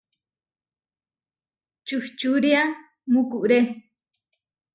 Čuhčúria mukuré.